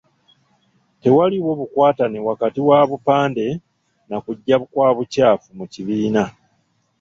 Tewaliiwo bukwatane wakati wa bupande na kujja kwa bucaafu mu kibiina.